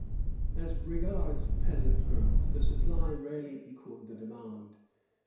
"^ As regards peasant girls, the supply rarely equalled the demand.